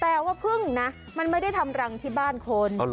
ว่าพึ่งนะมันไม่ได้ทำรังที่บ้านคน